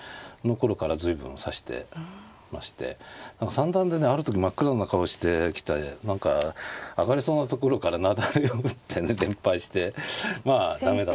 三段でねある時真っ暗な顔して来て何か上がれそうなところから雪崩を打ってね連敗してまあ駄目だったわけです。